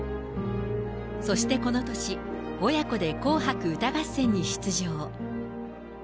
そしてこの年、親子で紅白歌合戦に出場。